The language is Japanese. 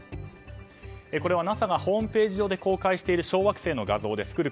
これはＮＡＳＡがホームページ上で公開している小惑星の画像です。